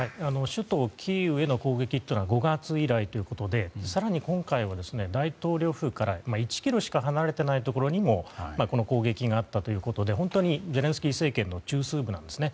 首都キーウへの攻撃は５月以来ということで更に今回は大統領府から１ｋｍしか離れていないところにも攻撃があったということでゼレンスキー政権の中枢部なんですね。